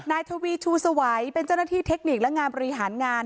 นายทวีชูสวัยเป็นเจ้าหน้าที่เทคนิคและงานบริหารงาน